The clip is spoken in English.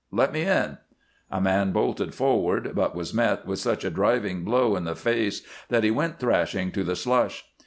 "Let me in!" A man bolted forward, but was met with such a driving blow in the face that he went thrashing to the slush.